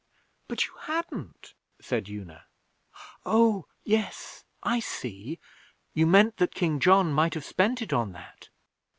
"' 'But you hadn't,' said Una. 'Oh, yes! I see! You meant that King John might have spent it on that?'